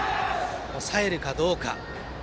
抑えるかどうか。